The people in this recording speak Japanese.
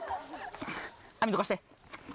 網どかして。